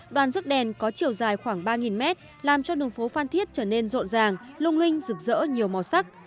đoàn rước đèn có chiều dài khoảng ba mét làm cho đường phố phan thiết trở nên rộn ràng lung linh rực rỡ nhiều màu sắc